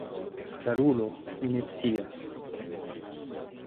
Karulo, mi ne scias.